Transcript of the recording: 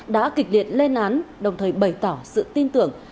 đã kịch liệt lên án đồng thời bày tỏ sự tin tưởng